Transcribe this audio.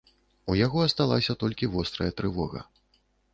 У яго асталася толькі вострая трывога.